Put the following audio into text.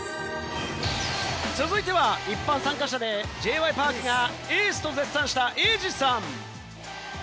続いては一般参加者でＪ．Ｙ．Ｐａｒｋがエースと絶賛したエイジさん。